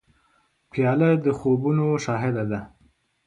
پیاله د خوبونو شاهد ده.